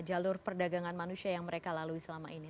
jalur perdagangan manusia yang mereka lalui selama ini